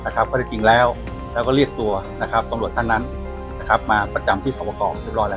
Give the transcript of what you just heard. ก็ได้จริงแล้วแล้วก็เรียกตัวตำรวจท่านนั้นมาประจำที่สวกรเรียบร้อยแล้ว